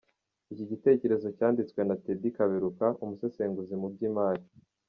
Iki gitekerezo cyanditswe na Teddy Kaberuka, Umusesenguzi mu by’imari.